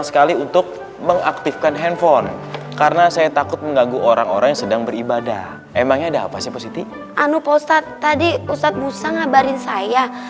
sampai jumpa di video selanjutnya